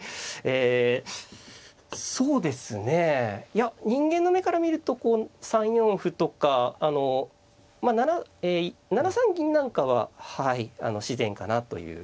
えそうですねいや人間の目から見るとこう３四歩とかあのまあ７三銀なんかははいあの自然かなという。